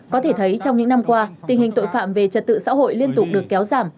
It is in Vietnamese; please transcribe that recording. có thể thấy trong những năm qua tình hình tội phạm về trật tự xã hội liên tục được kéo giảm